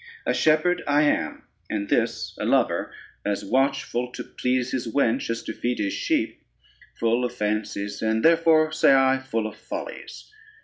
A shepherd I am, and this a lover, as watchful to please his wench as to feed his sheep: full of fancies, and therefore, say I, full of follies.